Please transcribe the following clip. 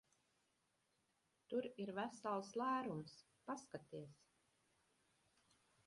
Tur ir vesels lērums. Paskaties!